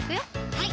はい